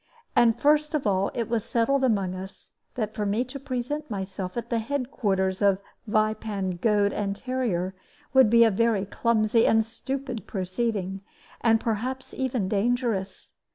And first of all it was settled among us that for me to present myself at the head quarters of Vypau, Goad, and Terryer would be a very clumsy and stupid proceeding, and perhaps even dangerous.